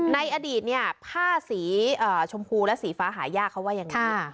ในอดีตเนี่ยผ้าสีชมพูและสีฟ้าหายากเขาว่ายังไง